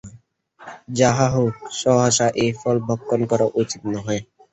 যাহা হউক, সহসা এই ফল ভক্ষণ করা উচিত নহে।